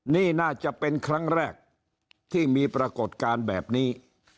นี่น่าจะเป็นครั้งแรกที่มีปรากฏการณ์แบบนี้